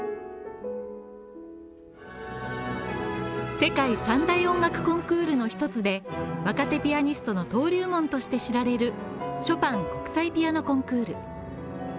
世界三大音楽コンクールの一つで、若手ピアニストの登竜門として知られるショパン国際ピアノコンクール。